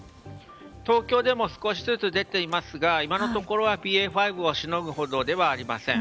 東京でも少しずつ出ていますが今のところはＢＡ．５をしのぐほどではありません。